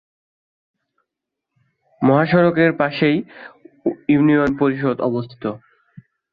মহাসড়কের পাশেই ইউনিয়ন পরিষদ অবস্থিত।